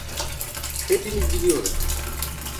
Hepimiz biliyoruz.